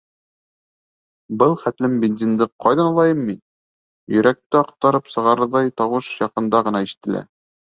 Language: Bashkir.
Был хәтлем бензинды ҡайҙан алайым мин. — Йөрәкте аҡтарып сығарырҙай тауыш яҡында ғына ишетелә.